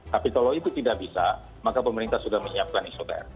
tapi kalau itu tidak bisa maka pemerintah sudah menyiapkan isoter